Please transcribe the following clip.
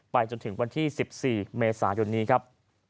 จนถึงวันที่๑๔เมษายนนี้ครับ